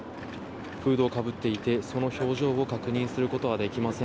フードをかぶっていてその表情を確認することはできません。